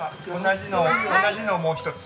同じのをもう一つ。